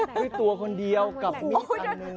ด้วยตัวคนเดียวกับมีสันหนึ่ง